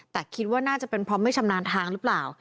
แต่คิดว่าน่าจะเป็นเพราะไม่ชำนาญทางหรือเปล่า